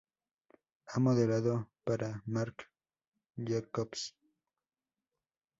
Ha modelado para Marc Jacobs.